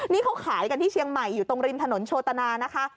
นี่เขาขายกันที่เชียงใหม่อยู่ตรงริมถนนโชตนานะคะ